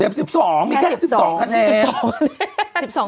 เต็ม๑๒มีแค่๑๒คะแนน